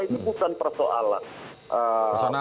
ini bukan persoalan